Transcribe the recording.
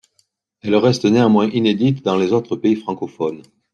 Elle reste néanmoins inédite dans les autres pays francophones.